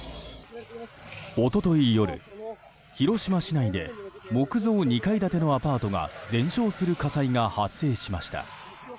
一昨日夜、広島市内で木造２階建てのアパートが全焼する火災が発生しました。